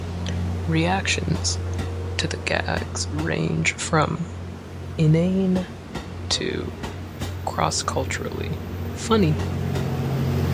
Reactions to the gags range from "inane" to cross-culturally funny.